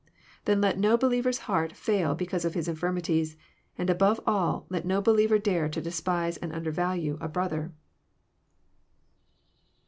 Then let no believer's heart fail because of his infirmities ; and, above all, let no believer dare to despise and undervalue a brother.